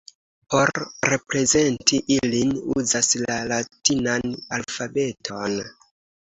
Por reprezenti ilin, uzas la latinan alfabeton.